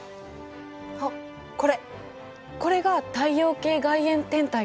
あっこれこれが太陽系外縁天体かな？